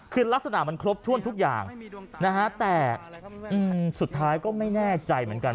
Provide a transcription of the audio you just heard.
คือลักษณะมันครบถ้วนทุกอย่างนะฮะแต่สุดท้ายก็ไม่แน่ใจเหมือนกัน